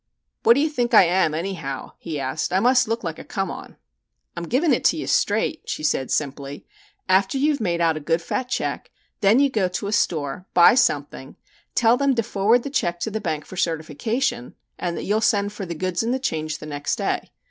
"What do you think I am, anyhow?" he asked. "I must look like a 'come on.'" "I'm giving it to you straight," she said simply. "After you have made out a good fat check, then you go to a store, buy something, tell them to forward the check to the bank for certification, and that you'll send for the goods and the change the next day.